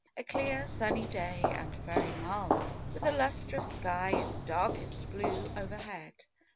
A clear, sunny day, and very mild, with a lustrous sky of dark est blue overhead.